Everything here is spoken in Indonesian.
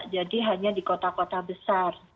jadi hanya di kota kota besar